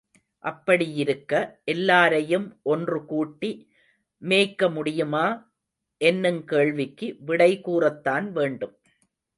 அப்படியிருக்க, எல்லாரையும் ஒன்றுகூட்டி மேய்க்க முடியுமா? என்னுங் கேள்விக்கு விடை கூறத்தான் வேண்டும்.